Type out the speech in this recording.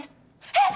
えっ！